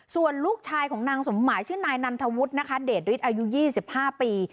ส่วนลูกชายของนางสมหมายชื่อนายนันทวุฒินะคะเดชฤทธิ์อายุ๒๕ปี